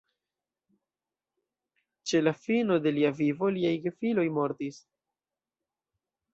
Ĉe la fino de lia vivo liaj gefiloj mortis.